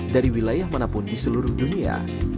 dari wilayah manapun di seluruh dunia